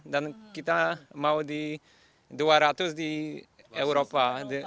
dan kita mau dua ratus di eropa